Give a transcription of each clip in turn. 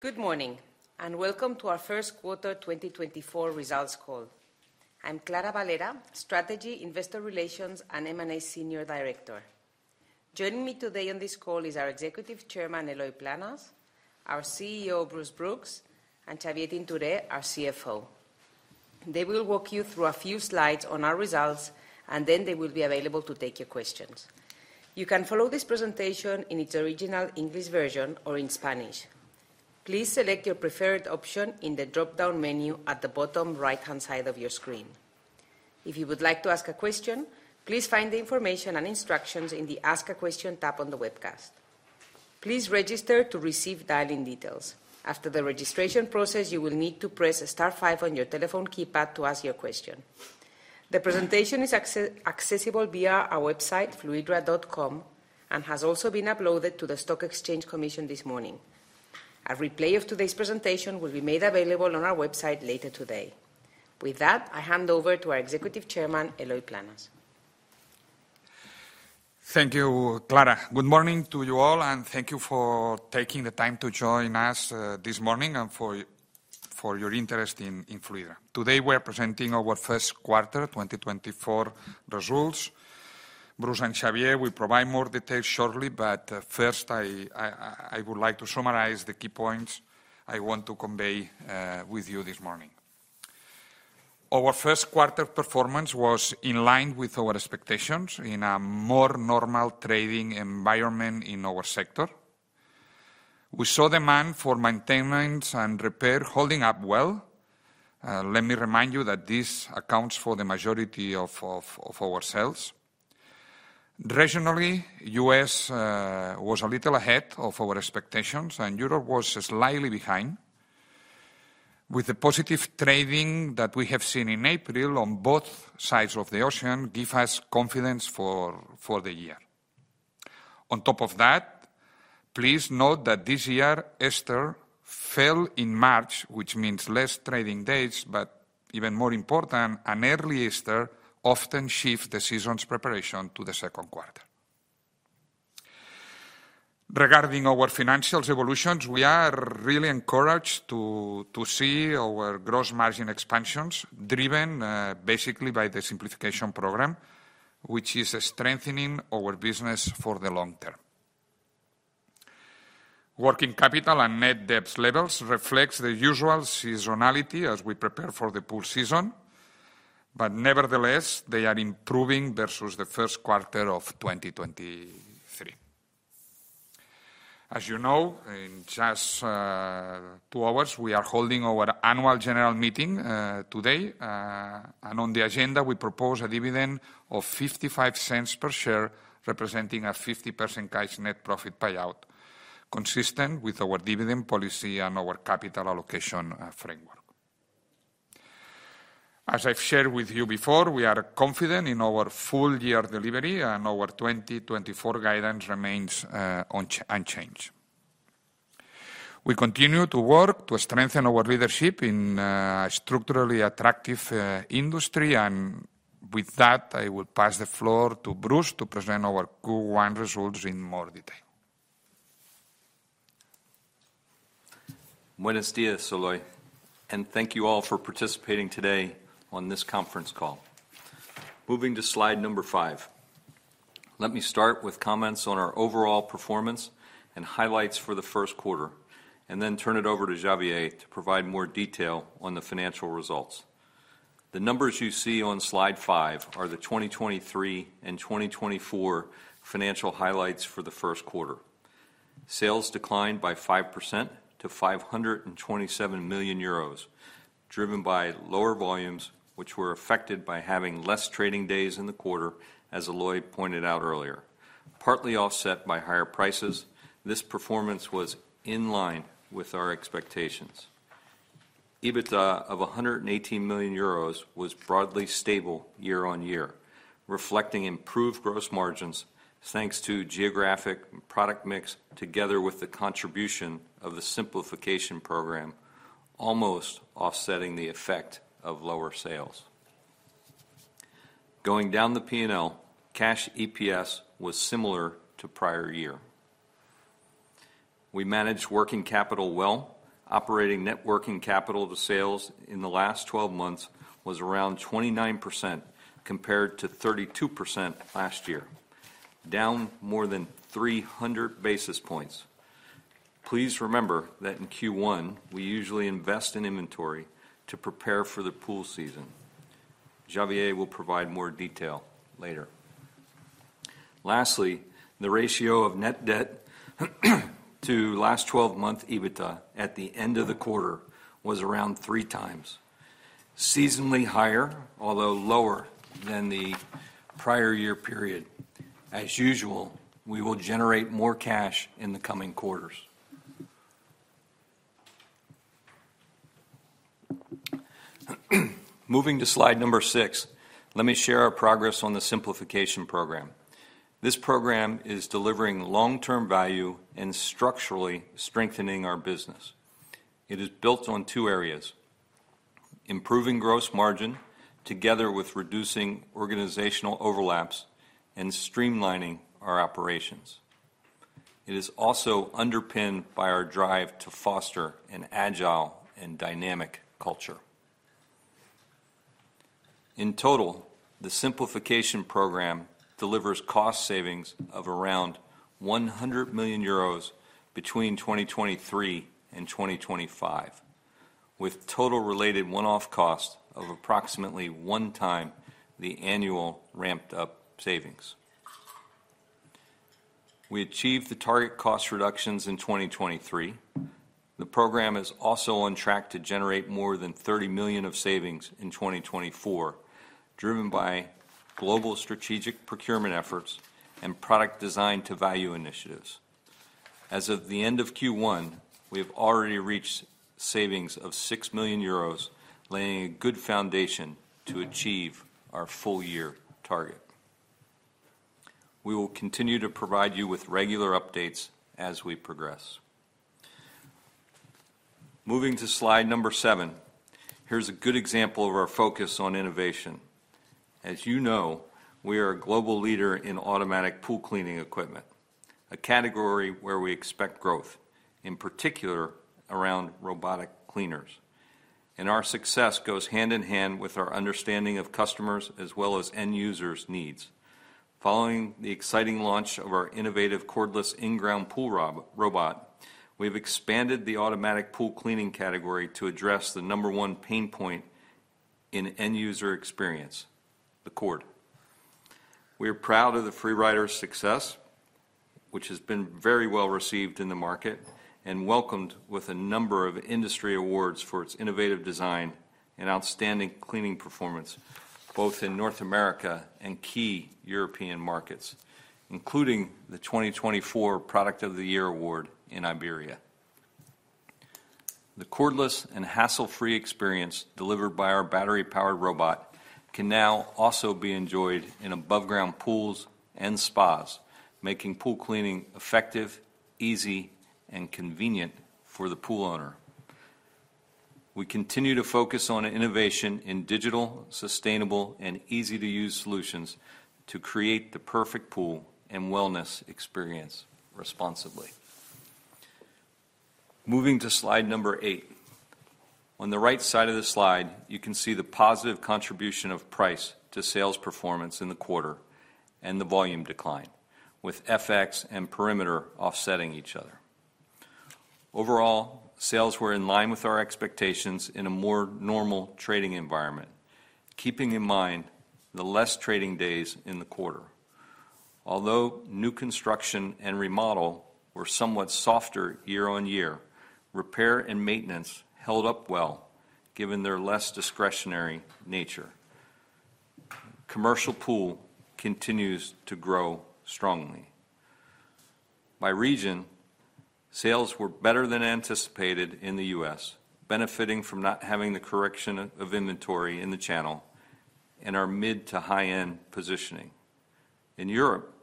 Good morning and welcome to our First Quarter 2024 Results Call. I'm Clara Valera, Strategy, Investor Relations, and M&A Senior Director. Joining me today on this call is our Executive Chairman Eloy Planes, our CEO Bruce Brooks, and Xavier Tintoré, our CFO. They will walk you through a few slides on our results, and then they will be available to take your questions. You can follow this presentation in its original English version or in Spanish. Please select your preferred option in the drop-down menu at the bottom right-hand side of your screen. If you would like to ask a question, please find the information and instructions in the "Ask a Question" tab on the webcast. Please register to receive dial-in details. After the registration process, you will need to press Star 5 on your telephone keypad to ask your question. The presentation is accessible via our website fluidra.com and has also been uploaded to the Stock Exchange Commission this morning. A replay of today's presentation will be made available on our website later today. With that, I hand over to our Executive Chairman Eloy Planes. Thank you, Clara. Good morning to you all, and thank you for taking the time to join us this morning and for your interest in Fluidra. Today we are presenting our first quarter 2024 results. Bruce and Xavier, we provide more details shortly, but first I would like to summarize the key points I want to convey with you this morning. Our first quarter performance was in line with our expectations in a more normal trading environment in our sector. We saw demand for maintenance and repair holding up well. Let me remind you that this accounts for the majority of our sales. Regionally, the U.S. was a little ahead of our expectations, and Europe was slightly behind. With the positive trading that we have seen in April on both sides of the ocean, it gives us confidence for the year. On top of that, please note that this year Easter fell in March, which means less trading days, but even more important, an early Easter often shifts the season's preparation to the second quarter. Regarding our financials evolutions, we are really encouraged to see our gross margin expansions driven basically by the Simplification Program, which is strengthening our business for the long term. Working capital and net debt levels reflect the usual seasonality as we prepare for the pool season, but nevertheless they are improving versus the first quarter of 2023. As you know, in just 2 hours we are holding our Annual General Meeting today, and on the agenda we propose a dividend of 0.55 per share representing a 50% Cash Net Profit payout, consistent with our dividend policy and our capital allocation framework. As I have shared with you before, we are confident in our full-year delivery, and our 2024 guidance remains unchanged. We continue to work to strengthen our leadership in a structurally attractive industry, and with that I will pass the floor to Bruce to present our Q1 results in more detail. Buenos días, Eloy, and thank you all for participating today on this conference call. Moving to slide number five, let me start with comments on our overall performance and highlights for the first quarter, and then turn it over to Xavier to provide more detail on the financial results. The numbers you see on slide five are the 2023 and 2024 financial highlights for the first quarter. Sales declined by 5% to 527 million euros, driven by lower volumes, which were affected by having less trading days in the quarter, as Eloy pointed out earlier. Partly offset by higher prices, this performance was in line with our expectations. EBITDA of 118 million euros was broadly stable year-on-year, reflecting improved gross margins thanks to geographic product mix, together with the contribution of the Simplification Program, almost offsetting the effect of lower sales. Going down the P&L, Cash EPS was similar to prior year. We managed working capital well. Operating net working capital to sales in the last 12 months was around 29% compared to 32% last year, down more than 300 basis points. Please remember that in Q1 we usually invest in inventory to prepare for the pool season. Xavier will provide more detail later. Lastly, the ratio of net debt to last 12-month EBITDA at the end of the quarter was around 3x, seasonally higher, although lower than the prior year period. As usual, we will generate more cash in the coming quarters. Moving to slide number 6, let me share our progress on the Simplification Program. This program is delivering long-term value and structurally strengthening our business. It is built on two areas: improving gross margin, together with reducing organizational overlaps, and streamlining our operations. It is also underpinned by our drive to foster an agile and dynamic culture. In total, the Simplification Program delivers cost savings of around 100 million euros between 2023 and 2025, with total related one-off costs of approximately one time the annual ramped-up savings. We achieved the target cost reductions in 2023. The program is also on track to generate more than 30 million of savings in 2024, driven by global strategic procurement efforts and product Design-to-Value initiatives. As of the end of Q1, we have already reached savings of 6 million euros, laying a good foundation to achieve our full-year target. We will continue to provide you with regular updates as we progress. Moving to slide number 7, here's a good example of our focus on innovation. As you know, we are a global leader in automatic pool cleaning equipment, a category where we expect growth, in particular around robotic cleaners. Our success goes hand in hand with our understanding of customers as well as end users' needs. Following the exciting launch of our innovative cordless in-ground pool robot, we have expanded the automatic pool cleaning category to address the number one pain point in end user experience: the cord. We are proud of the FreeRider's success, which has been very well received in the market and welcomed with a number of industry awards for its innovative design and outstanding cleaning performance, both in North America and key European markets, including the 2024 Product of the Year Award in Iberia. The cordless and hassle-free experience delivered by our battery-powered robot can now also be enjoyed in above-ground pools and spas, making pool cleaning effective, easy, and convenient for the pool owner. We continue to focus on innovation in digital, sustainable, and easy-to-use solutions to create the perfect pool and wellness experience responsibly. Moving to slide number 8, on the right side of the slide you can see the positive contribution of price to sales performance in the quarter and the volume decline, with FX and perimeter offsetting each other. Overall, sales were in line with our expectations in a more normal trading environment, keeping in mind the less trading days in the quarter. Although new construction and remodel were somewhat softer year-on-year, repair and maintenance held up well, given their less discretionary nature. Commercial pool continues to grow strongly. By region, sales were better than anticipated in the U.S., benefiting from not having the correction of inventory in the channel and our mid to high-end positioning. In Europe,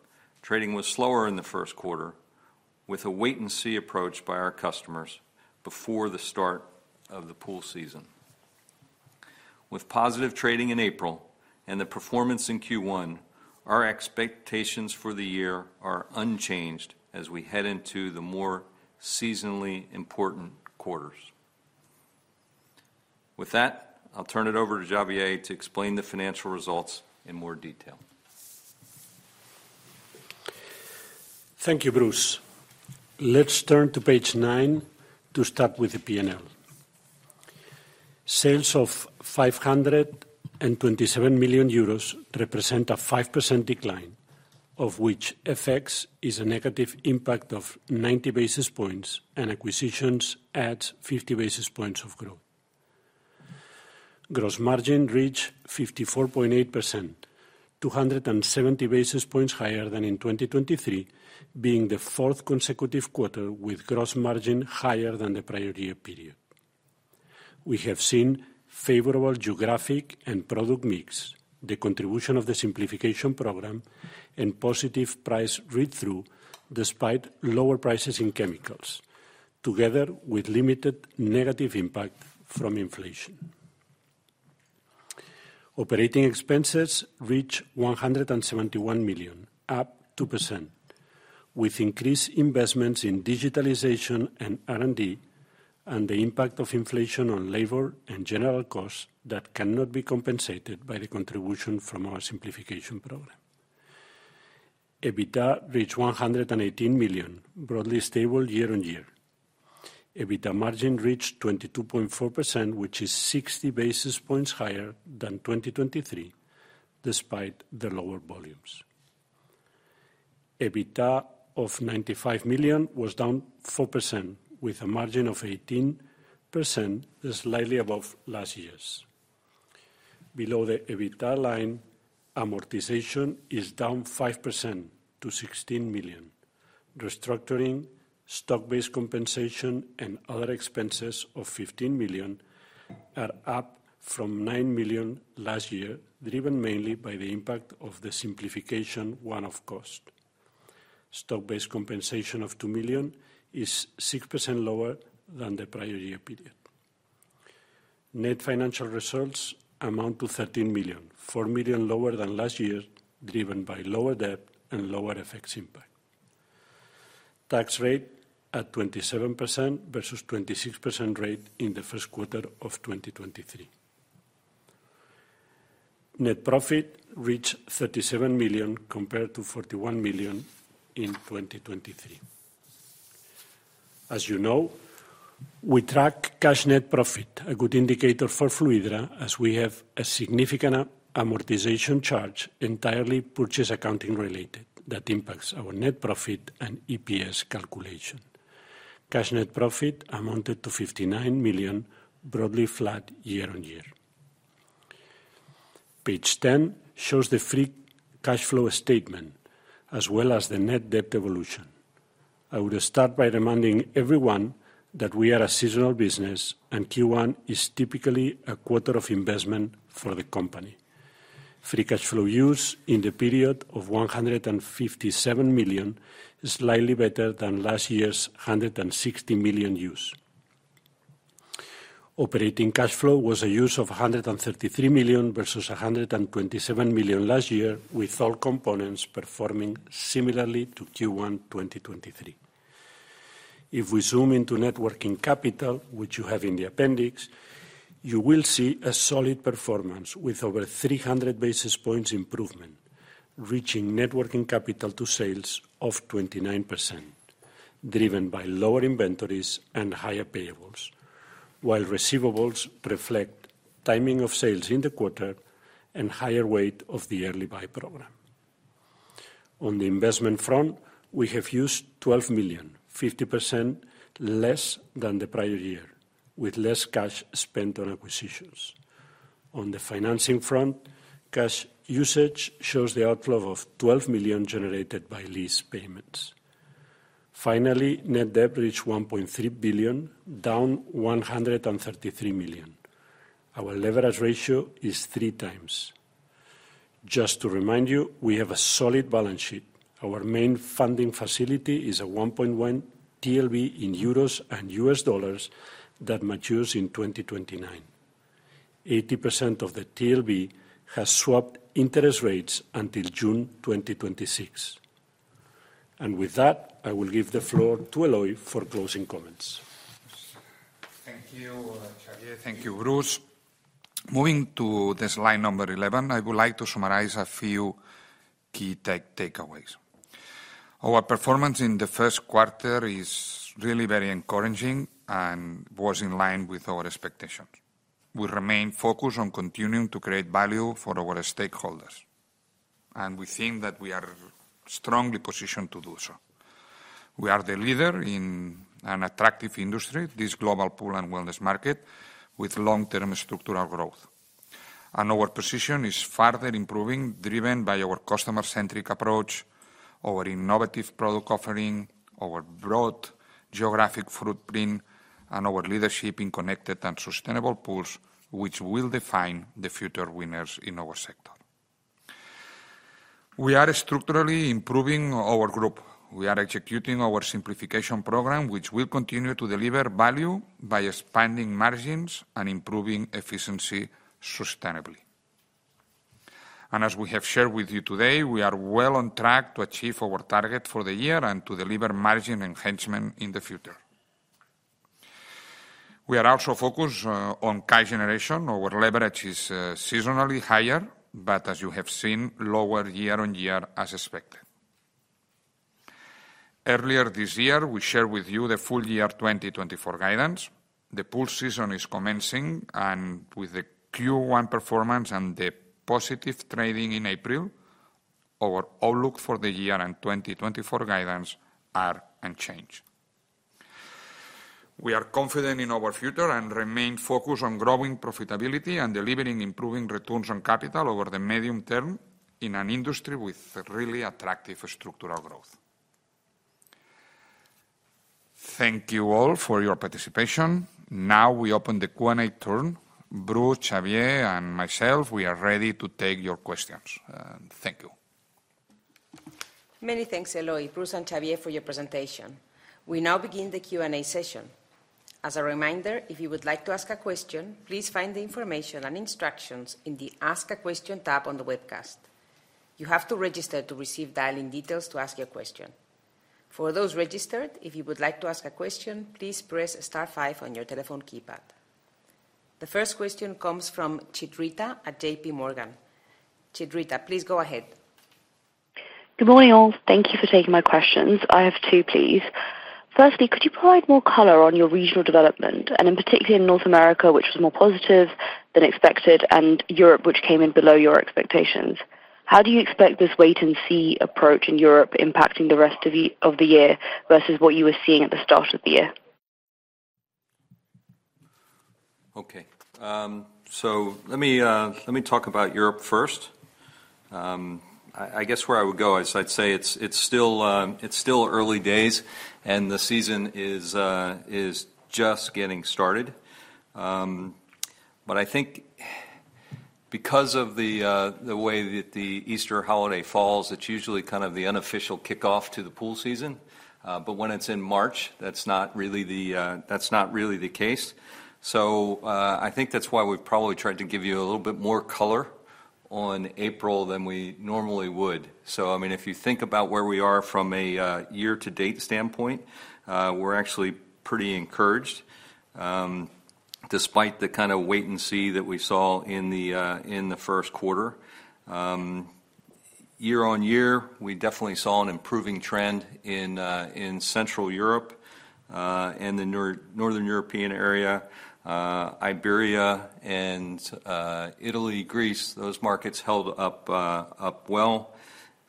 trading was slower in the first quarter, with a wait-and-see approach by our customers before the start of the pool season. With positive trading in April and the performance in Q1, our expectations for the year are unchanged as we head into the more seasonally important quarters. With that, I'll turn it over to Xavier to explain the financial results in more detail. Thank you, Bruce. Let's turn to page 9 to start with the P&L. Sales of 527 million euros represent a 5% decline, of which FX is a negative impact of 90 basis points and acquisitions add 50 basis points of growth. Gross margin reached 54.8%, 270 basis points higher than in 2023, being the fourth consecutive quarter with gross margin higher than the prior year period. We have seen favorable geographic and product mix, the contribution of the Simplification Program, and positive price read-through despite lower prices in chemicals, together with limited negative impact from inflation. Operating expenses reached 171 million, up 2%, with increased investments in digitalization and R&D and the impact of inflation on labor and general costs that cannot be compensated by the contribution from our Simplification Program. EBITDA reached 118 million, broadly stable year-on-year. EBITDA margin reached 22.4%, which is 60 basis points higher than 2023, despite the lower volumes. EBITDA of 95 million was down 4%, with a margin of 18%, slightly above last year. Below the EBITDA line, amortization is down 5% to 16 million. Restructuring, stock-based compensation, and other expenses of 15 million are up from 9 million last year, driven mainly by the impact of the simplification one-off cost. Stock-based compensation of 2 million is 6% lower than the prior year period. Net financial results amount to 13 million, 4 million lower than last year, driven by lower debt and lower FX impact. Tax rate at 27% versus 26% rate in the first quarter of 2023. Net profit reached 37 million compared to 41 million in 2023. As you know, we track cash net profit, a good indicator for Fluidra, as we have a significant amortization charge entirely purchase accounting related that impacts our net profit and EPS calculation. Cash net profit amounted to 59 million, broadly flat year-on-year. Page 10 shows the free cash flow statement as well as the net debt evolution. I would start by reminding everyone that we are a seasonal business and Q1 is typically a quarter of investment for the company. Free cash flow use in the period of 157 million is slightly better than last year's 160 million use. Operating cash flow was a use of 133 million versus 127 million last year, with all components performing similarly to Q1 2023. If we zoom into net working capital, which you have in the appendix, you will see a solid performance with over 300 basis points improvement, reaching net working capital to sales of 29%, driven by lower inventories and higher payables, while receivables reflect timing of sales in the quarter and higher weight of the Early Buy program. On the investment front, we have used 12 million, 50% less than the prior year, with less cash spent on acquisitions. On the financing front, cash usage shows the outflow of 12 million generated by lease payments. Finally, net debt reached 1.3 billion, down 133 million. Our leverage ratio is 3x. Just to remind you, we have a solid balance sheet. Our main funding facility is a 1.1 billion TLB in euros and U.S. dollars that matures in 2029. 80% of the TLB has swapped interest rates until June 2026. With that, I will give the floor to Eloy for closing comments. Thank you, Xavier. Thank you, Bruce. Moving to slide number 11, I would like to summarize a few key takeaways. Our performance in the first quarter is really very encouraging and was in line with our expectations. We remain focused on continuing to create value for our stakeholders, and we think that we are strongly positioned to do so. We are the leader in an attractive industry, this global pool and wellness market, with long-term structural growth. And our position is further improving, driven by our customer-centric approach, our innovative product offering, our broad geographic footprint, and our leadership in connected and sustainable pools, which will define the future winners in our sector. We are structurally improving our group. We are executing our Simplification Program, which will continue to deliver value by expanding margins and improving efficiency sustainably. As we have shared with you today, we are well on track to achieve our target for the year and to deliver margin enhancement in the future. We are also focused on cash generation. Our leverage is seasonally higher, but, as you have seen, lower year-on-year as expected. Earlier this year, we shared with you the full year 2024 guidance. The pool season is commencing, and with the Q1 performance and the positive trading in April, our outlook for the year and 2024 guidance are unchanged. We are confident in our future and remain focused on growing profitability and delivering improving returns on capital over the medium term in an industry with really attractive structural growth. Thank you all for your participation. Now we open the Q&A turn. Bruce, Xavier, and myself, we are ready to take your questions. Thank you. Many thanks, Eloy, Bruce, and Xavier, for your presentation. We now begin the Q&A session. As a reminder, if you would like to ask a question, please find the information and instructions in the "Ask a Question" tab on the webcast. You have to register to receive dial-in details to ask your question. For those registered, if you would like to ask a question, please press Star 5 on your telephone keypad. The first question comes from Chitrita at J.P. Morgan. Chitrita, please go ahead. Good morning, all. Thank you for taking my questions. I have two, please. Firstly, could you provide more color on your regional development, and in particular in North America, which was more positive than expected, and Europe, which came in below your expectations? How do you expect this wait-and-see approach in Europe impacting the rest of the year versus what you were seeing at the start of the year? Okay. So let me talk about Europe first. I guess where I would go, I'd say it's still early days, and the season is just getting started. But I think because of the way that the Easter holiday falls, it's usually kind of the unofficial kickoff to the pool season. But when it's in March, that's not really the case. So I think that's why we've probably tried to give you a little bit more color on April than we normally would. So, I mean, if you think about where we are from a year-to-date standpoint, we're actually pretty encouraged, despite the kind of wait-and-see that we saw in the first quarter. Year-on-year, we definitely saw an improving trend in Central Europe and the Northern European area. Iberia and Italy, Greece, those markets held up well.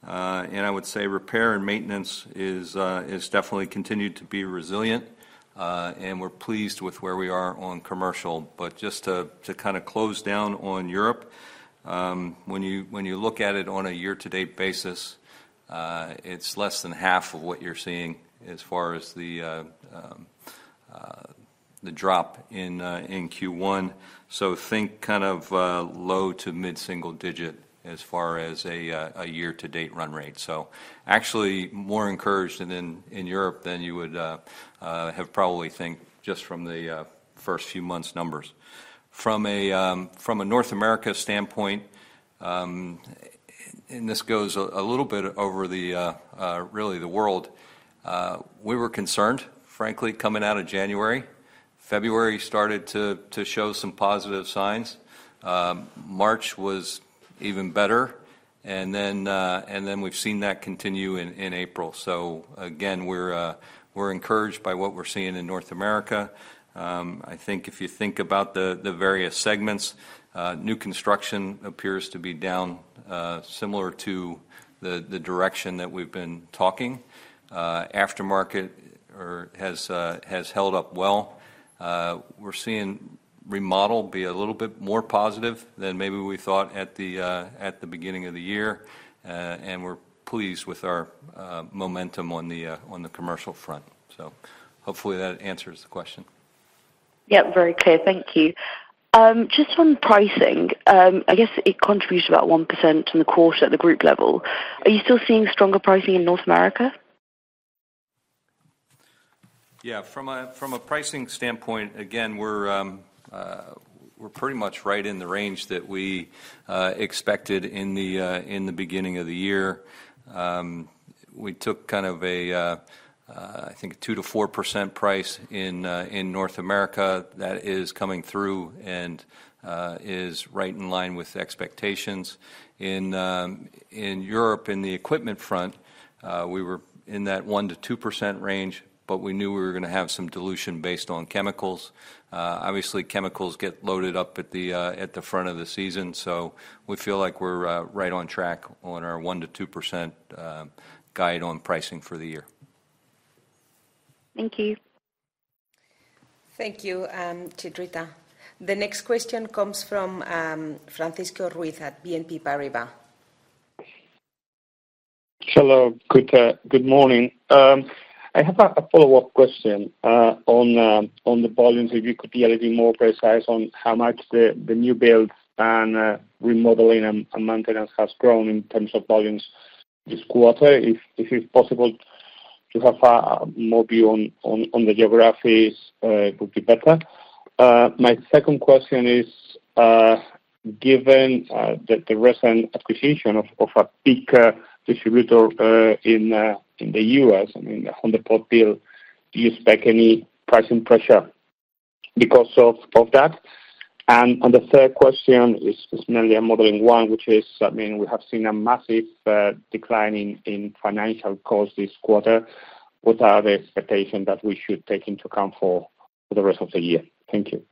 I would say repair and maintenance has definitely continued to be resilient, and we're pleased with where we are on commercial. Just to kind of close down on Europe, when you look at it on a year-to-date basis, it's less than half of what you're seeing as far as the drop in Q1. Think kind of low- to mid-single-digit as far as a year-to-date run rate. Actually more encouraged in Europe than you would have probably think just from the first few months' numbers. From a North America standpoint, and this goes a little bit over, really, the world, we were concerned, frankly, coming out of January. February started to show some positive signs. March was even better. Then we've seen that continue in April. Again, we're encouraged by what we're seeing in North America. I think if you think about the various segments, new construction appears to be down similar to the direction that we've been talking. Aftermarket has held up well. We're seeing remodel be a little bit more positive than maybe we thought at the beginning of the year, and we're pleased with our momentum on the commercial front. So hopefully that answers the question. Yep, very clear. Thank you. Just on pricing, I guess it contributes about 1% in the quarter at the group level. Are you still seeing stronger pricing in North America? Yeah. From a pricing standpoint, again, we're pretty much right in the range that we expected in the beginning of the year. We took kind of a, I think, 2%-4% price in North America that is coming through and is right in line with expectations. In Europe, in the equipment front, we were in that 1%-2% range, but we knew we were going to have some dilution based on chemicals. Obviously, chemicals get loaded up at the front of the season, so we feel like we're right on track on our 1%-2% guide on pricing for the year. Thank you. Thank you, Chitrita. The next question comes from Francisco Ruiz at BNP Paribas. Hello. Good morning. I have a follow-up question on the volumes. If you could be a little bit more precise on how much the new builds and remodeling and maintenance have grown in terms of volumes this quarter. If it's possible to have more view on the geographies, it would be better. My second question is, given the recent acquisition of a bigger distributor in the U.S., I mean, the Home Depot deal, do you expect any pricing pressure because of that? And the third question is mainly on modeling one, which is, I mean, we have seen a massive decline in financial costs this quarter. What are the expectations that we should take into account for the rest of the year? Thank you.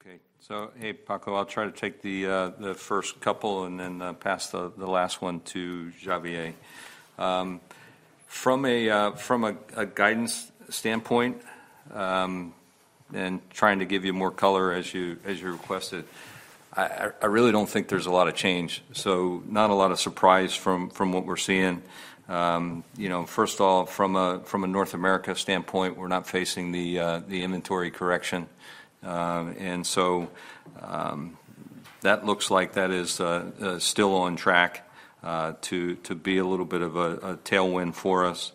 Okay. So, hey, Paco, I'll try to take the first couple and then pass the last one to Xavier. From a guidance standpoint and trying to give you more color as you requested, I really don't think there's a lot of change. So not a lot of surprise from what we're seeing. First of all, from a North America standpoint, we're not facing the inventory correction. And so that looks like that is still on track to be a little bit of a tailwind for us.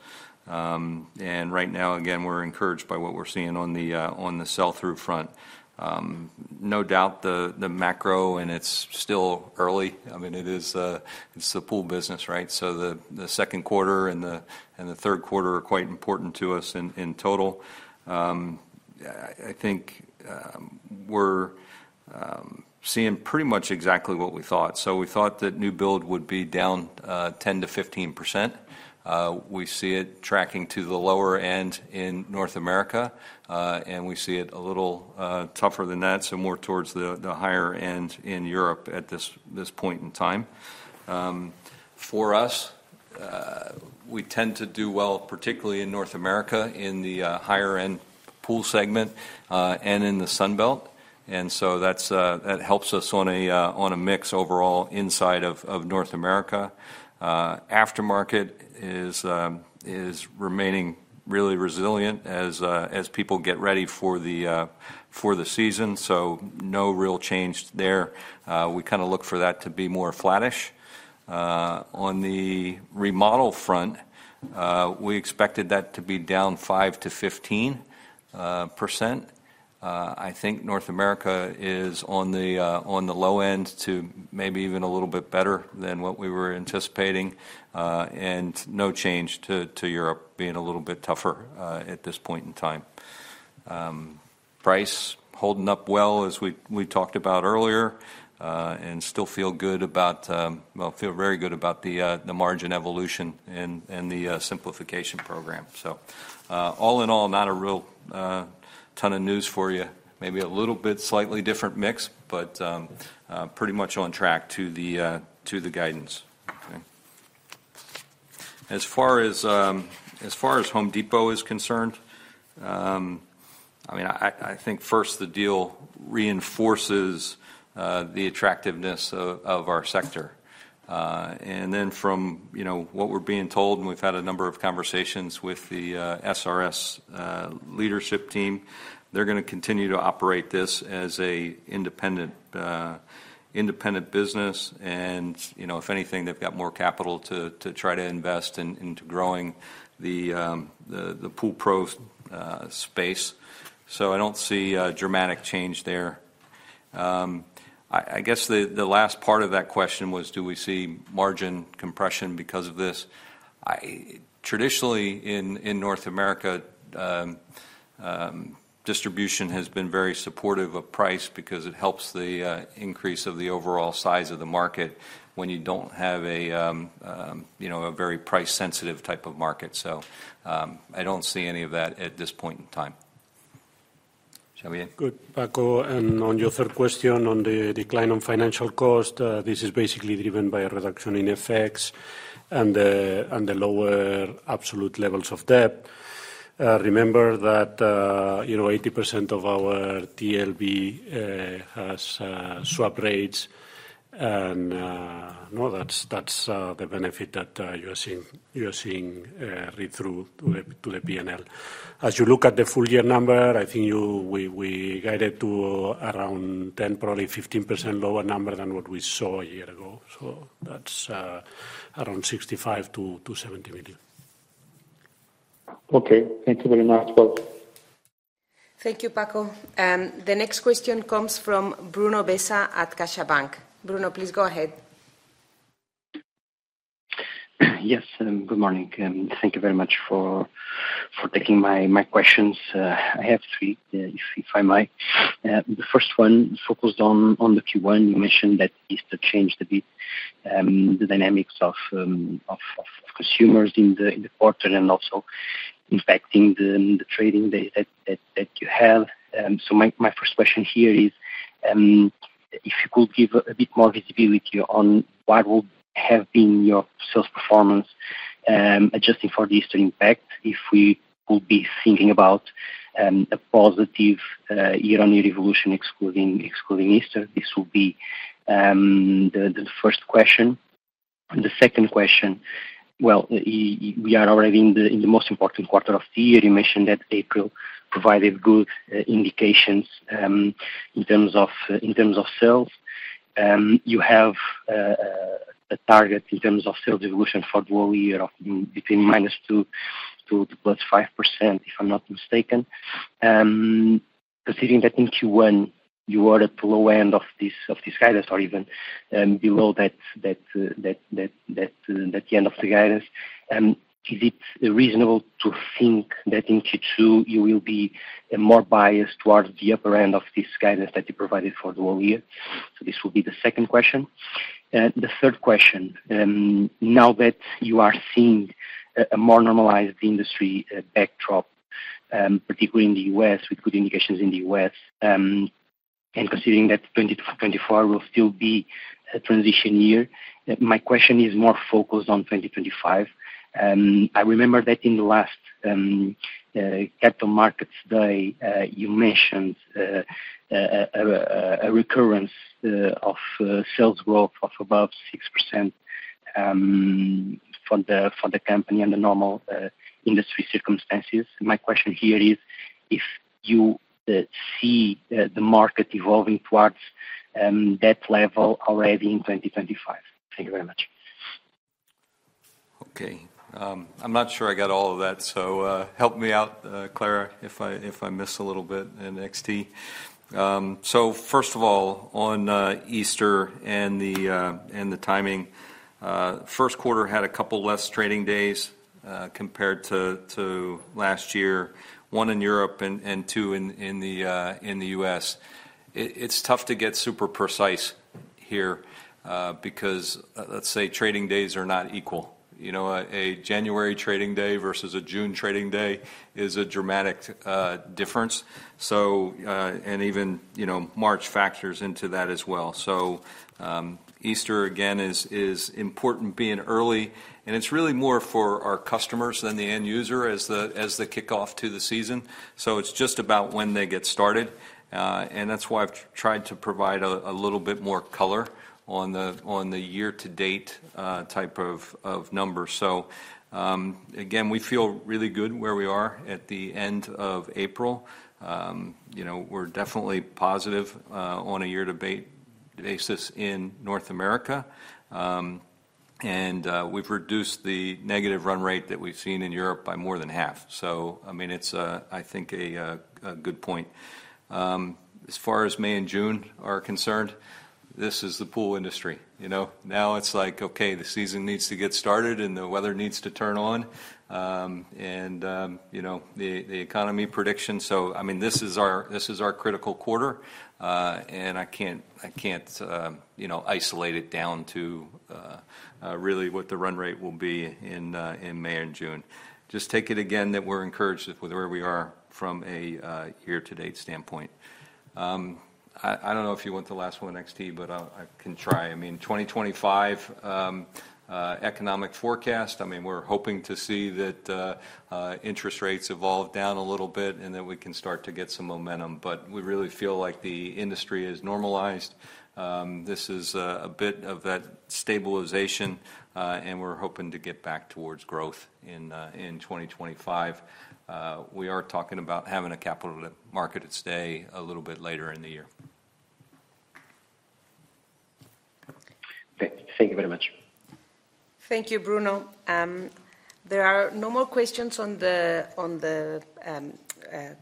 And right now, again, we're encouraged by what we're seeing on the sell-through front. No doubt the macro, and it's still early. I mean, it's the pool business, right? So the second quarter and the third quarter are quite important to us in total. I think we're seeing pretty much exactly what we thought. So we thought that new build would be down 10%-15%. We see it tracking to the lower end in North America, and we see it a little tougher than that, so more towards the higher end in Europe at this point in time. For us, we tend to do well, particularly in North America, in the higher-end pool segment and in the Sunbelt. And so that helps us on a mix overall inside of North America. Aftermarket is remaining really resilient as people get ready for the season, so no real change there. We kind of look for that to be more flattish. On the remodel front, we expected that to be down 5%-15%. I think North America is on the low end to maybe even a little bit better than what we were anticipating, and no change to Europe being a little bit tougher at this point in time. Price holding up well, as we talked about earlier, and still feel good about, well, feel very good about the margin evolution and the Simplification Program. So all in all, not a real ton of news for you. Maybe a little bit, slightly different mix, but pretty much on track to the guidance. Okay. As far as Home Depot is concerned, I mean, I think first, the deal reinforces the attractiveness of our sector. And then from what we're being told, and we've had a number of conversations with the SRS leadership team, they're going to continue to operate this as an independent business. If anything, they've got more capital to try to invest into growing the pool pro space. I don't see dramatic change there. I guess the last part of that question was, do we see margin compression because of this? Traditionally, in North America, distribution has been very supportive of price because it helps the increase of the overall size of the market when you don't have a very price-sensitive type of market. I don't see any of that at this point in time. Xavier? Good, Paco. And on your third question, on the decline on financial cost, this is basically driven by a reduction in effects and the lower absolute levels of debt. Remember that 80% of our TLB has swap rates. And no, that's the benefit that you're seeing read through to the P&L. As you look at the full year number, I think we guided to around 10%, probably 15% lower number than what we saw a year ago. So that's around 65 million-70 million. Okay. Thank you very much. Well. Thank you, Paco. The next question comes from Bruno Bessa at CaixaBank. Bruno, please go ahead. Yes. Good morning. Thank you very much for taking my questions. I have three, if I may. The first one focused on the Q1. You mentioned that it's changed a bit the dynamics of consumers in the quarter and also impacting the trading that you have. So my first question here is, if you could give a bit more visibility on what would have been your sales performance adjusting for the Easter impact, if we would be thinking about a positive year-on-year evolution excluding Easter, this would be the first question. The second question, well, we are already in the most important quarter of the year. You mentioned that April provided good indications in terms of sales. You have a target in terms of sales evolution for the whole year of between -2% to +5%, if I'm not mistaken. Considering that in Q1, you were at the low end of this guidance or even below that end of the guidance, is it reasonable to think that in Q2, you will be more biased towards the upper end of this guidance that you provided for the whole year? So this would be the second question. The third question, now that you are seeing a more normalized industry backdrop, particularly in the U.S. with good indications in the U.S., and considering that 2024 will still be a transition year, my question is more focused on 2025. I remember that in the last Capital Markets Day, you mentioned a recurrence of sales growth of above 6% for the company under normal industry circumstances. My question here is, if you see the market evolving towards that level already in 2025? Thank you very much. Okay. I'm not sure I got all of that, so help me out, Clara, if I miss a little bit in XT. So first of all, on Easter and the timing, first quarter had a couple less trading days compared to last year, 1 in Europe and 2 in the US. It's tough to get super precise here because, let's say, trading days are not equal. A January trading day versus a June trading day is a dramatic difference. And even March factors into that as well. So Easter, again, is important being early. And it's really more for our customers than the end user as the kickoff to the season. So it's just about when they get started. And that's why I've tried to provide a little bit more color on the year-to-date type of numbers. So again, we feel really good where we are at the end of April. We're definitely positive on a year-to-date basis in North America. And we've reduced the negative run rate that we've seen in Europe by more than half. So, I mean, it's, I think, a good point. As far as May and June are concerned, this is the pool industry. Now it's like, okay, the season needs to get started and the weather needs to turn on. And the economy prediction, so I mean, this is our critical quarter. And I can't isolate it down to really what the run rate will be in May and June. Just take it again that we're encouraged with where we are from a year-to-date standpoint. I don't know if you want the last one, XT, but I can try. I mean, 2025 economic forecast, I mean, we're hoping to see that interest rates evolve down a little bit and that we can start to get some momentum. But we really feel like the industry is normalized. This is a bit of that stabilization, and we're hoping to get back towards growth in 2025. We are talking about having a Capital Markets Day a little bit later in the year. Thank you very much. Thank you, Bruno. There are no more questions on the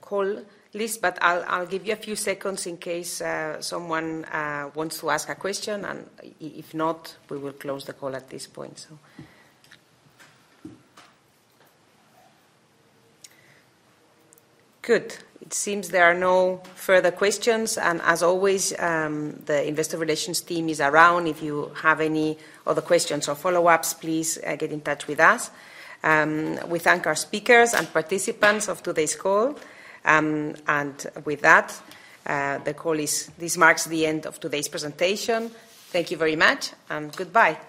call list, but I'll give you a few seconds in case someone wants to ask a question. If not, we will close the call at this point, so. Good. It seems there are no further questions. As always, the investor relations team is around. If you have any other questions or follow-ups, please get in touch with us. We thank our speakers and participants of today's call. With that, this marks the end of today's presentation. Thank you very much, and goodbye.